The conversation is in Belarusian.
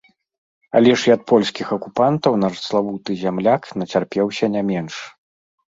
Але ж і ад польскіх акупантаў наш славуты зямляк нацярпеўся не менш.